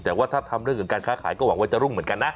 แต่ว่าถ้าทำเรื่องของการค้าขายก็หวังว่าจะรุ่งเหมือนกันนะ